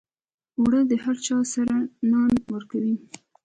اوړه د هر چای سره نان ورکوي